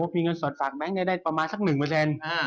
มีเงินสดฝากแบงค์ได้ประมาณสักหนึ่งเปอร์เซ็นต์